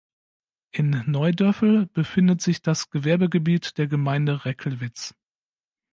In Neudörfel befindet sich das Gewerbegebiet der Gemeinde Räckelwitz.